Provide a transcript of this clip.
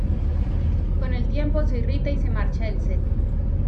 Con el tiempo se irrita y se marcha del set.